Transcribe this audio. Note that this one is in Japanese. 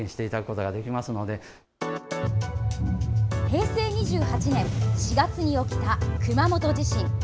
平成２８年４月に起きた熊本地震。